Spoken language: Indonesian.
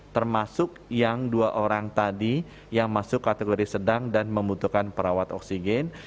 termasuk yang dua orang tadi yang masuk kategori sedang dan membutuhkan perawat oksigen